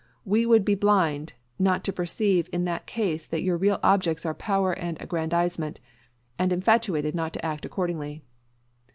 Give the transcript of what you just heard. We would be blind not to perceive in that case that your real objects are power and aggrandizement; and infatuated not to act accordingly.